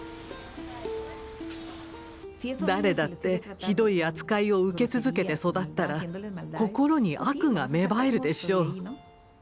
誰だってひどい扱いを受け続けて育ったら心に悪が芽生えるでしょう。